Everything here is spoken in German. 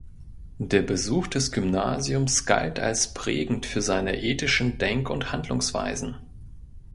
Der Besuch des Gymnasiums galt als prägend für seine ethischen Denk- und Handlungsweisen.